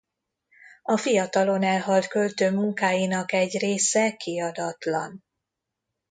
A fiatalon elhalt költő munkáinak egy része kiadatlan.